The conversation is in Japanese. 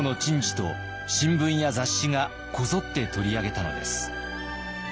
と新聞や雑誌がこぞって取り上げたのです。